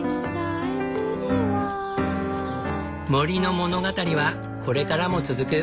森の物語はこれからも続く。